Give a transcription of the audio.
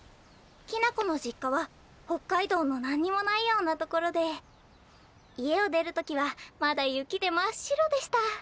きな子の実家は北海道の何にもないようなところで家を出る時はまだ雪で真っ白でした。